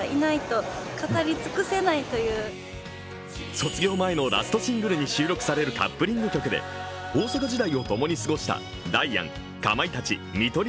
卒業前のラストシングルに収録されるカップリング曲で大阪時代をともに過ごしたダイアン、かまいたち、見取り